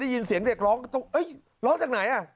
ยินเสียงเด็กร้องร้องจากไหนอ่ะ